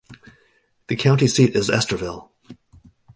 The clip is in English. The county seat is Estherville.